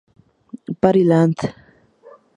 Party Land